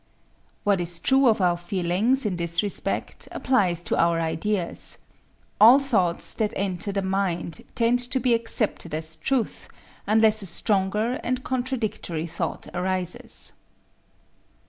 What is true of our feelings, in this respect, applies to our ideas: All thoughts that enter the mind tend to be accepted as truth unless a stronger and contradictory thought arises.